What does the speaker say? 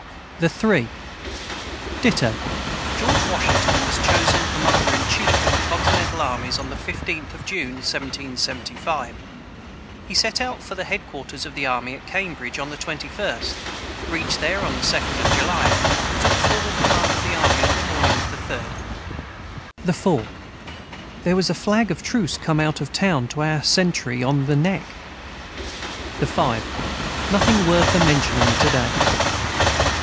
] the 3. Dito. [Footnote 128: George Washington was chosen commander in chief of the continental armies on the 15th of June, 1775. He set out for the headquarters of the army at Cambridge on the 21st, reached there on the 2d of July, and took formal command of the army on the morning of the 3d.] the 4. Their was a flag of truce come out of town to our centry on the neck. the 5. Nothing worth a mentioning to day.